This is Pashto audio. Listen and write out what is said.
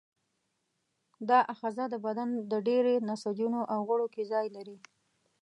دا آخذه د بدن په ډېری نسجونو او غړو کې ځای لري.